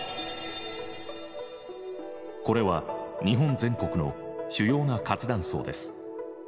これは日本全国の主要な活断層です。